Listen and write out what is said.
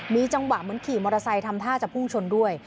มีจังหวะเหมือนขี่มอเตอร์ไซค์ทำท่าจะพุ่งชนด้วย